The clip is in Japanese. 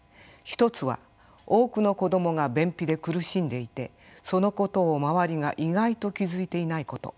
一つは多くの子どもが便秘で苦しんでいてそのことを周りが意外と気付いていないこと。